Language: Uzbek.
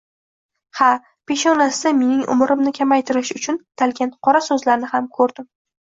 Ha, peshonasida mening umrimni kamaytirish uchun atalgan qora so`zlarni ham ko`rdim